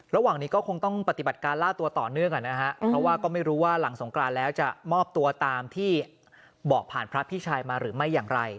ระหว่างนี้ก็คงต้องปฏิบัติการล่าตัวต่อเนื่องอ่ะนะฮะเพราะว่าก็ไม่รู้ว่าหลังสงกรานแล้วจะมอบตัวตามที่บอกผ่านพระพี่ชายมาหรือไม่อย่างไร